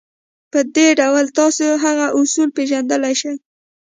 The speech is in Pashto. په دې ډول تاسې هغه اصول پېژندلای شئ.